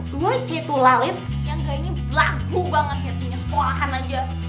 semua cetu lalit yang kayak ini lagu banget ya punya sekolahan aja